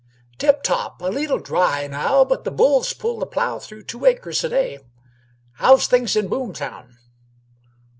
"Tip top! A leette dry now; but the bulls pull the plough through two acres a day. How's things in Boomtown?"